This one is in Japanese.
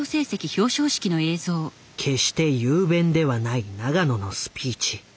決して雄弁ではない永野のスピーチ。